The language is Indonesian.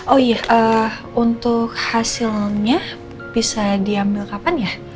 oh iya untuk hasilnya bisa diambil kapan ya